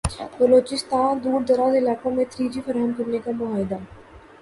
بلوچستان دوردراز علاقوں میں تھری جی فراہم کرنے کا معاہدہ